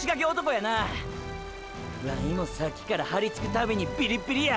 ワイもさっきからはりつくたびにビリッビリや！！